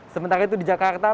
sementara itu di jakarta